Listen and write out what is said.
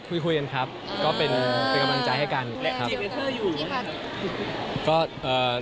คุยกันครับก็เป็นเป็นกำลังใจให้กันนะครับ